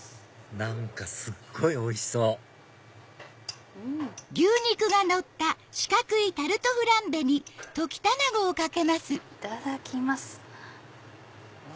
何かすっごいおいしそういただきます。